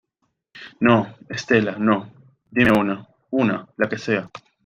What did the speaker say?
no, Estela , no. dime una , una , la que sea .